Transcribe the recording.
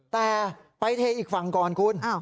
แต่ไปเทอีกฝั่งก่อนคุณ